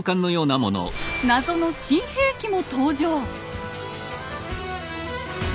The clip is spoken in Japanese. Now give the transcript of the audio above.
謎の新兵器も登場！